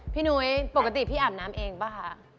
พี่นุ้ยปกติพี่อาบน้ำเองบ้างคะ